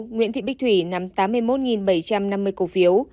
nguyễn thị bích thủy nắm tám mươi một bảy trăm năm mươi cổ phiếu